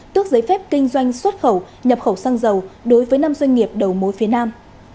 tước giấy phép kinh doanh xuất khẩu nhập khẩu xăng dầu đối với năm doanh nghiệp đầu mối phía nam